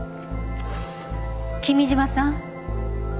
君嶋さん。